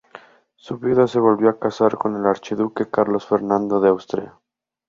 Su viuda se volvió a casar con el archiduque Carlos Fernando de Austria.